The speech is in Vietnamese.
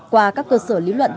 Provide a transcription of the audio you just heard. qua các cơ sở lý luận